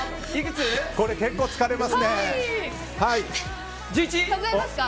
これ結構、疲れますね。